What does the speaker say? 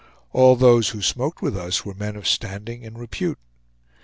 All those who smoked with us were men of standing and repute.